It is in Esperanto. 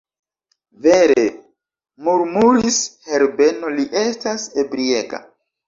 Vere, murmuris Herbeno, li estas ebriega.